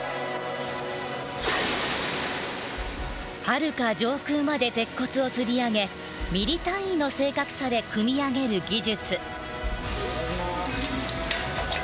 はるか上空まで鉄骨を吊り上げミリ単位の正確さで組み上げる技術。